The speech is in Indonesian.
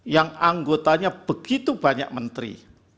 yang anggotanya begitu banyak menteri